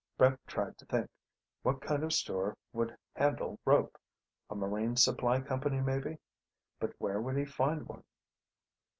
Brett tried to think. What kind of store would handle rope? A marine supply company, maybe. But where would he find one?